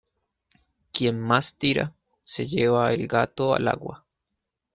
Quien más tira, se lleva el gato al agua.